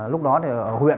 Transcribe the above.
lúc đó thì ở huyện